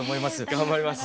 頑張ります。